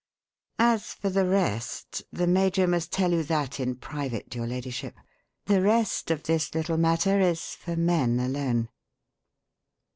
As for the rest the major must tell you that in private, your ladyship. The rest of this little matter is for men alone."